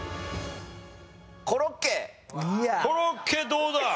コロッケどうだ？